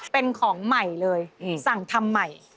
เป็นของใหม่เลยสั่งทำใหม่